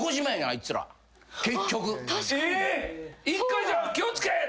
１回じゃあ気を付けって。